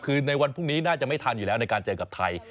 คือในวันพรุ่งนี้น่าจะไม่ทันอยู่แล้วในการเจอกับไทย